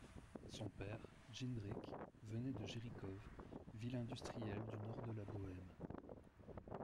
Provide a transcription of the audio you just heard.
Son père, Jindřich, venait de Jiříkov, ville industrielle du nord de la Bohême.